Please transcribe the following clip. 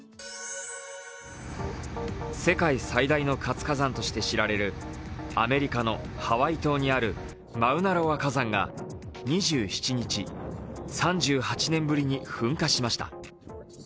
世界最大の活火山として知られるアメリカのハワイ島にあるマウナロア火山が２７日３８年ぶりに噴火しました。